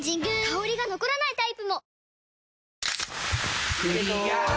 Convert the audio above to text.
香りが残らないタイプも！